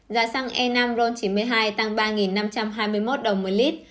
giá xăng e năm ron chín mươi hai tăng ba năm trăm hai mươi một đồng một lít